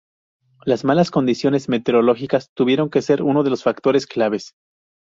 Las malas condiciones meteorológicas tuvieron que ser uno de los factores claves.